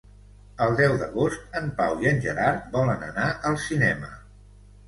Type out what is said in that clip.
El deu d'agost en Pau i en Gerard volen anar al cinema.